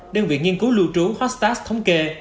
đơn vị nghiên cứu lưu trú hostas thống kê